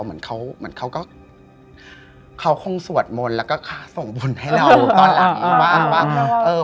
เหมือนเขาก็เขาคงสวดมนตร์แล้วก็ส่งบุญให้เราตอนหลังนี้